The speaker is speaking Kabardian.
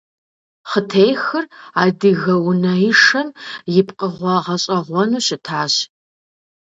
Хъытехыр адыгэ унэишэм и пкъыгъуэ гъэщӀэгъуэну щытащ.